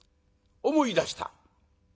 思い出した。